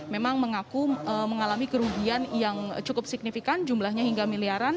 memang mengaku mengalami kerugian yang cukup signifikan jumlahnya hingga miliaran